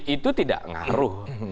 itu tidak ngaruh